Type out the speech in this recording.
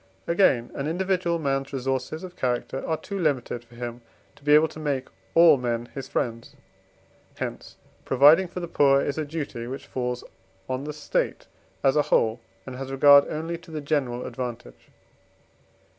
Again, an individual man's resources of character are too limited for him to be able to make all men his friends. Hence providing for the poor is a duty, which falls on the State as a whole, and has regard only to the general advantage.